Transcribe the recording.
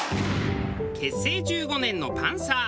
結成１５年のパンサー。